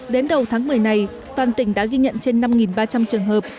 đến đầu tháng một mươi này toàn tỉnh đã ghi nhận trên năm ba trăm linh trường hợp